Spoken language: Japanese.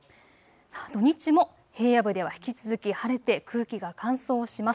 土日も平野部では引き続き晴れて空気が乾燥します。